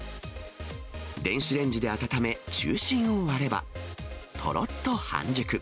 電子レンジで温め、中心を割れば、とろっと半熟。